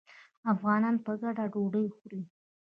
افغانان په ګډه ډوډۍ خوري.